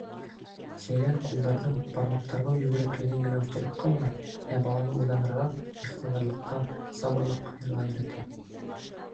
Сәйлән ҡулдарҙың, бармаҡтарҙың йүгереклеген генә үҫтереп ҡалмай, ә баланы уйланырға, иғтибарлыҡҡа, сабырлыҡҡа ла өйрәтә.